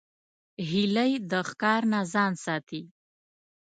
هیلۍ د ښکار نه ځان ساتي